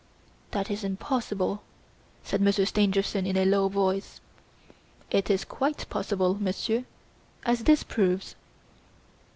"That is impossible," said Monsieur Stangerson in a low voice. "It is quite possible, Monsieur, as this proves."